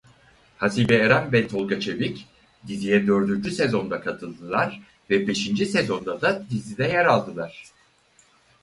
Hasibe Eren ve Tolga Çevik diziye dördüncü sezonda katıldılar ve beşinci sezonda da dizide yer aldılar.